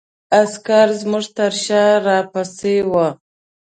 عسکر زموږ تر شا را پسې وو.